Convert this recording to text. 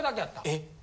・えっ？